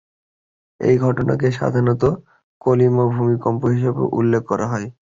এই ঘটনাকে সাধারণত কলিমা ভূমিকম্প হিসেবে উল্লেখ করা হয়।